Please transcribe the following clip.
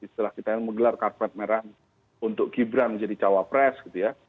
setelah kita menggelar karpet merah untuk gibran jadi cawapres gitu ya